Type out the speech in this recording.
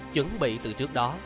chuẩn bị từ trước đó